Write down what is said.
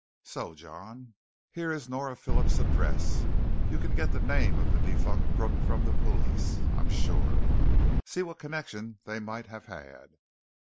So, John, here is Nora Phillips' address. You can get the name of the defunct crook from the police, I'm sure. See what connection they might have had."